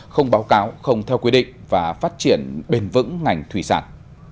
không theo quy định và phát triển bền vững ngành thủy sản